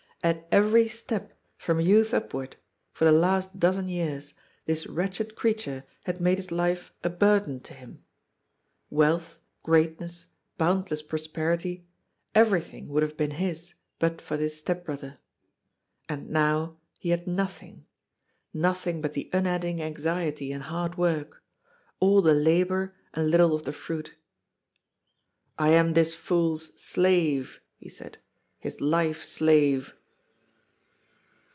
At every step, from youth upward — for the last dozen years — this wretched creature had made his life a burden to him. Wealth, greatness, boundless prosperity, everything would have been his but for this step brother. And now he had nothing ; nothing but unending anxiety and hard work ; all the labour and little of the fruit. '' I am this fool's slave," he said, " his life slave."